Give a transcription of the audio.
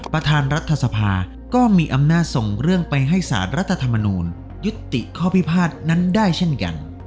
ประธานรัฐสภาก็มีอำนาจส่งเรื่องไปให้สารรัฐธรรมนูลยุติข้อพิพาทนั้นได้เช่นกัน